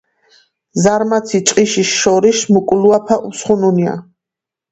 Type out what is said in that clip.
ზარმაცი ჭყიშის შორიშ მუკოლუაფა უსხუნუნია